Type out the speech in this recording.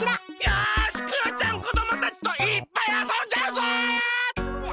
よしクヨちゃんこどもたちといっぱいあそんじゃうぞ！